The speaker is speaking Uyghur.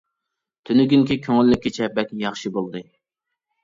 تۈنۈگۈنكى كۆڭۈللۈك كېچە بەك ياخشى بولدى.